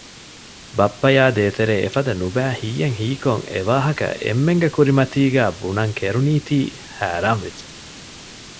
ބައްޕަޔާ ދޭތެރޭ އެފަދަ ނުބައި ހީއެއް ހީކޮށް އެވާހަކަ އެންމެންގެ ކުރިމަތީގައި ބުނަން ކެރުނީތީ ހައިރާން ވެއްޖެ